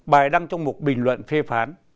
bài đăng trong một bình luận phim